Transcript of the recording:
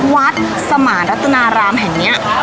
สมานรัตนารามแห่งนี้